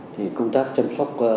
thì công tác chăm sóc